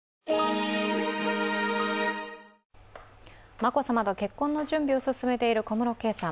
眞子さまと結婚の準備を進めている小室圭さん。